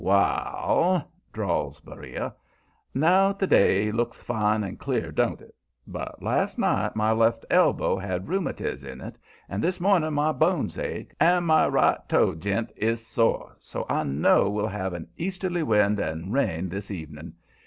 "Wall," drawls Beriah, "now to day looks fine and clear, don't it? But last night my left elbow had rheumatiz in it, and this morning my bones ache, and my right toe j'int is sore, so I know we'll have an easterly wind and rain this evening.